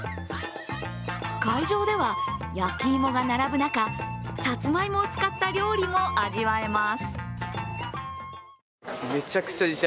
会場では、焼き芋が並ぶ中さつまいもを使った料理も味わえます。